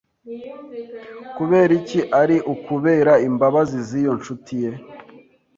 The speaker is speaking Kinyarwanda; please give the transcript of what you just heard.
kuberiki ari ukubera imbabazi z'iyo ncuti ye?